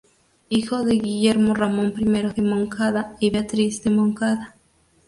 Hijo de Guillermo Ramón I de Moncada y Beatriz de Moncada.